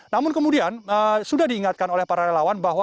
namun kemudian sudah diingatkan oleh para relawan bahwa